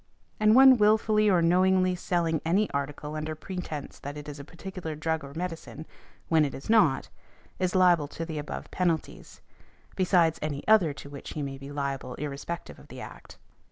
And one wilfully or knowingly selling any article under pretence that it is a particular drug or medicine, when it is not, is liable to the above penalties, besides any other to which he may be liable irrespective of the Act .